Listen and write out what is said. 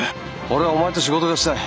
俺はお前と仕事がしたい。